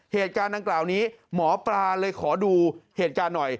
เหตุการณ์ดังกล่าวนี้หมอปลาเลยขอดูเหตุการณ์หน่อย